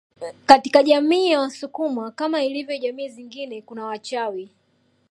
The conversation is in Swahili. Katika jamii ya wasukuma kama ilivyo jamii zingine kuna wachawi